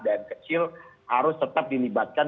dan kecil harus tetap dilibatkan